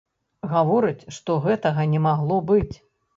Гаворыць, што гэтага не магло быць.